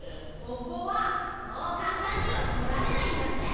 ここはそうかんたんにはこられないんだぜ。